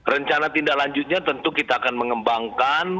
rencana tindak lanjutnya tentu kita akan mengembangkan